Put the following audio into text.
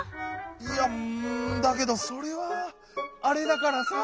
いやだけどそれは「あれ」だからさ！